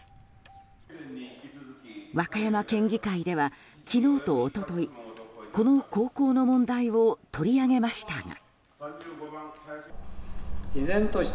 和歌山県議会では昨日と一昨日、この高校の問題を取り上げましたが。